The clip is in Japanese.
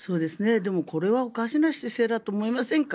でも、これはおかしな姿勢だと思いませんか？